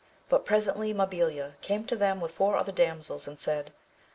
But presently Mabilia came to them with four other damsels, and said.